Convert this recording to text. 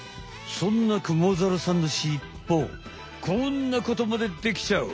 そんなクモザルさんのしっぽこんなことまでできちゃう！